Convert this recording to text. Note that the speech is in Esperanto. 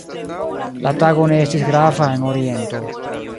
La tago ne estis grava en Oriento.